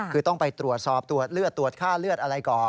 คือต้องไปตรวจสอบตรวจเลือดตรวจค่าเลือดอะไรก่อน